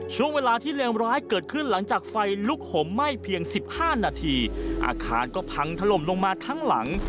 ช่วงเวลาที่เลวร้ายเกิดขึ้นหลังจากไฟลุกห่มไหม้เพียง๑๕นาทีอาคารก็พังถล่มลงมาทั้งหลัง